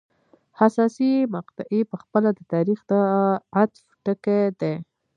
حساسې مقطعې په خپله د تاریخ د عطف ټکي دي.